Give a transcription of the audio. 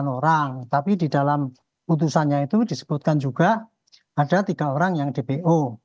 delapan orang tapi di dalam putusannya itu disebutkan juga ada tiga orang yang dpo